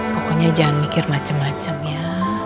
pokoknya jangan mikir macem macem ya